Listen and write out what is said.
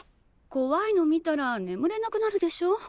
こわいの見たらねむれなくなるでしょう？